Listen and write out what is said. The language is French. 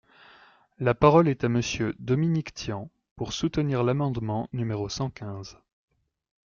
La parole est à Monsieur Dominique Tian, pour soutenir l’amendement numéro cent quinze.